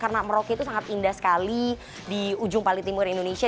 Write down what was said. karena merauke itu sangat indah sekali di ujung pali timur indonesia